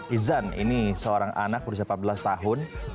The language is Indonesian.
izan ini seorang anak berusia empat belas tahun